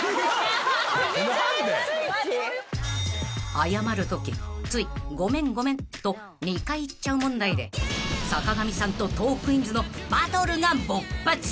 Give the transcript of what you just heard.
［謝るときつい「ごめんごめん」と２回言っちゃう問題で坂上さんとトークィーンズのバトルが勃発］